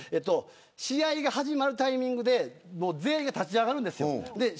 試合が始まるタイミングで全員が立ち上がるんです。